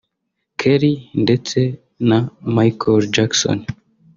Kelly ndetse na Michael Jackson